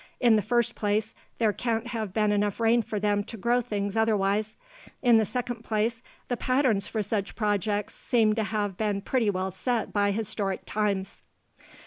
In the first place, there can't have been enough rain for them to grow things otherwise. In the second place, the patterns for such projects seem to have been pretty well set by historic times.